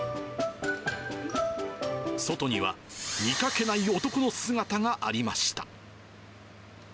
外には、見かけない男の姿がありました。